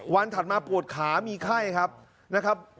ถัดมาปวดขามีไข้ครับนะครับ